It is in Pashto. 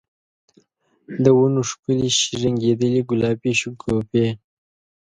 د ونو ښکلي شرنګیدلي ګلابې شګوفي